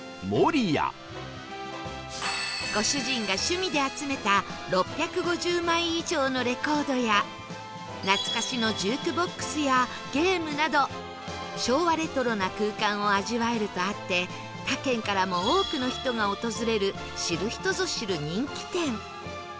ご主人が趣味で集めた６５０枚以上のレコードや懐かしのジュークボックスやゲームなど昭和レトロな空間を味わえるとあって他県からも多くの人が訪れる知る人ぞ知る人気店